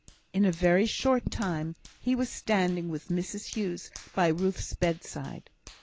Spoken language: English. In a very short time he was standing with Mrs Hughes by Ruth's bedside.